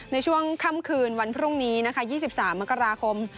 ในช่วงค่ำคืนวันพรุ่งนี้นะคะ๒๓มกราคม